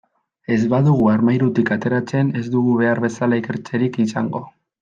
Ez badugu armairutik ateratzen, ez dugu behar bezala ikertzerik izango.